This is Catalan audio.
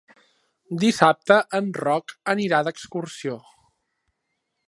Dissabte en Roc anirà d'excursió.